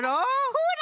ほら！